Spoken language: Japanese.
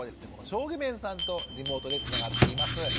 將基面さんとリモートでつながっています。